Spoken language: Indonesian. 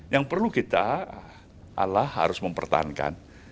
yang perlu kita allah harus mempertahankan